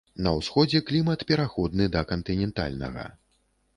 На ўсходзе клімат пераходны да кантынентальнага.